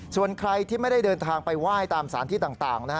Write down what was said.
ส่วนใครที่ไม่ได้เดินทางไปไหว้ตามสารที่ต่าง